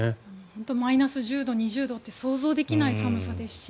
本当にマイナス１０度２０度って想像できない寒さですし